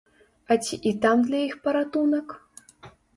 А ці і там для іх паратунак?